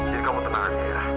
jadi kamu tenang aja ya